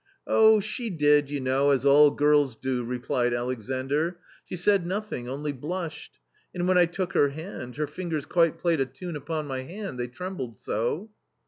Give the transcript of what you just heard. I \ "Oh! she did, you know, as all girls do," replied f <^ Alexandr, "she said nothing, only blushed; and when I \%> t took her hand, her fingers quite played a tune upon my hand, they trembled so."